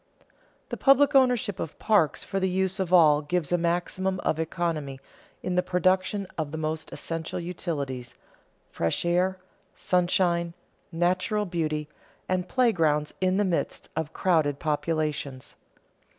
The public ownership of parks for the use of all gives a maximum of economy in the production of the most essential utilities fresh air, sunshine, natural beauty, and playgrounds in the midst of crowded populations.